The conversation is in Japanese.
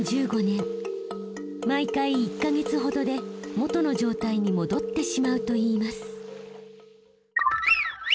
毎回１か月ほどで元の状態に戻ってしまうといいます。